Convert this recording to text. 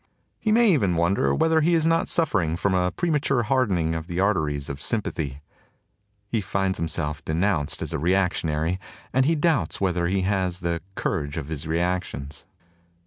He may even wonder whether he is not suffering from a premature hardening of the arteries of sym pathy. He finds himself denounced as a reac tionary; and he doubts whether he has the courage of his reactions.